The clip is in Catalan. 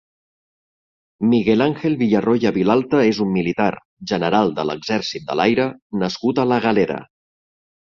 Miguel Ángel Villarroya Vilalta és un militar, general de l'Exèrcit de l'Aire nascut a la Galera.